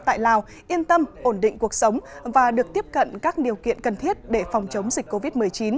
tại lào yên tâm ổn định cuộc sống và được tiếp cận các điều kiện cần thiết để phòng chống dịch covid một mươi chín